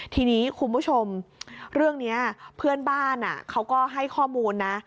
ทีนี้คุณผู้ชมเรื่องนี้เพื่อนบ้านเขาก็ให้ข้อมูลนะ